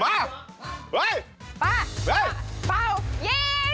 เสาคำยันอาวุธิ